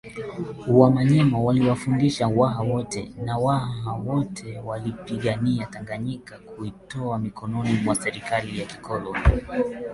wamanyema waliwafundisha waha na wote hawa waliipigania Tanganyika Kutoka mikononi mwa serekali ya kikoloni